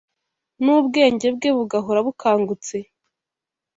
n’ubwenge bwe bugahora bukangutse